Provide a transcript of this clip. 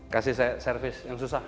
kasih servis yang susah